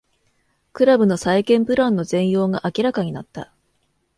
クラブの再建プランの全容が明らかになった